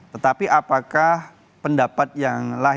tetapi apakah pendapat yang lain